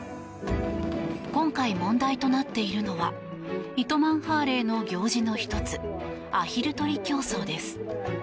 今回、問題となっているのは糸満ハーレーの行事の１つアヒル取り競争です。